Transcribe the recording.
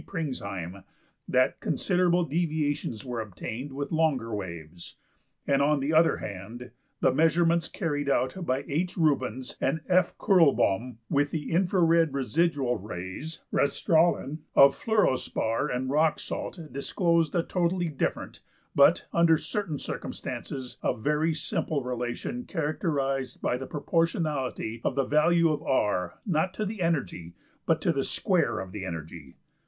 ~Pringsheim that considerable deviations were obtained with longer waves(10), and on the other hand the measurements carried out by H.~Rubens and F.~Kurlbaum with the infra red residual rays (\textit{Reststrahlen}) of fluorspar and rock salt(11) disclosed a totally different, but, under certain circumstances, a very simple relation characterized by the proportionality of the value of $R$ not to the energy but to the square of the energy.